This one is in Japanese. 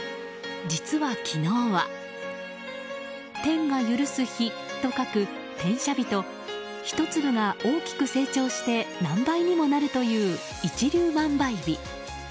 実は昨日は、天が赦す日と書く天赦日と１粒が大きく成長して何倍にもなるという一粒万倍日。